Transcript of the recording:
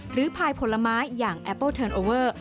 พายผลไม้อย่างแอปเปิ้ลเทิร์นโอเวอร์